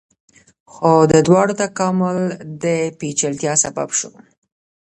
خو د دواړو تکامل د پیچلتیا سبب شو.